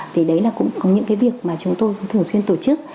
thì đấy là cũng có những cái việc mà chúng tôi thường xuyên tổ chức